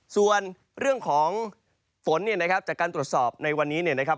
ส่วนเรื่องของฝนเนี่ยนะครับจากการตรวจสอบในวันนี้เนี่ยนะครับ